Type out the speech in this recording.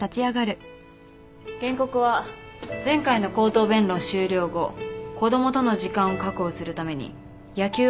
原告は前回の口頭弁論終了後子供との時間を確保するために野球をやめる覚悟をしました。